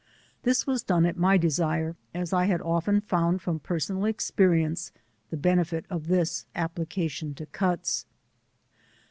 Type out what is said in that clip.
This was done at my desire, as I had often found, from personal experience, the benefit of this application to cuts.